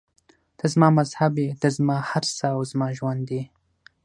ته زما مذهب یې، ته زما هر څه او زما ژوند یې.